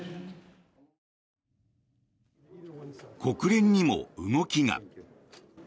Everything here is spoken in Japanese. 国連にも動きが。